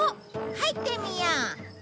入ってみよう！